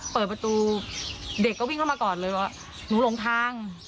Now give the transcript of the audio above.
เปิดประตูเด็กก็วิ่งเข้ามาก่อนเลยว่าหนูหลงทาง